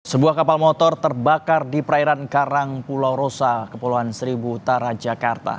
sebuah kapal motor terbakar di perairan karang pulau rosa kepulauan seribu utara jakarta